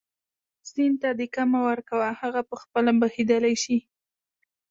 سیند ته دیکه مه ورکوه هغه په خپله بهېدلی شي.